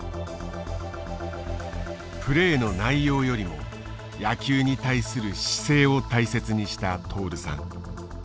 プレーの内容よりも野球に対する姿勢を大切にした徹さん。